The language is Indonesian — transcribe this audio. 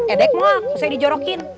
ee dek mau aku saya di jorokin